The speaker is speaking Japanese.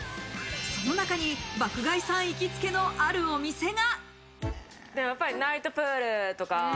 その中に爆買いさん行きつけのあるお店が。